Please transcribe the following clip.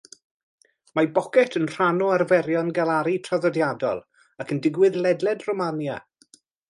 Mae bocet yn rhan o arferion galaru traddodiadol ac yn digwydd ledled Romania.